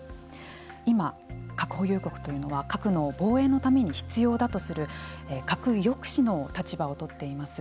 今、核保有国というのは核の防衛のために必要だとする核抑止の立場をとっています。